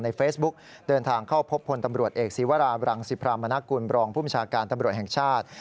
เฟซบุ๊กเดินทางเข้าพบพลตำรวจเอกศีวราบรังสิพรามณกุลบรองผู้บัญชาการตำรวจแห่งชาติ